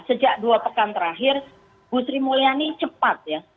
sejak dua pekan terakhir bu sri mulyani cepat ya